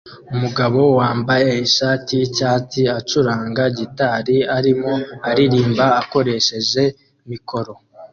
Umugabo wambaye ishati yicyatsi acuranga gitari arimo aririmba akoresheje mikoro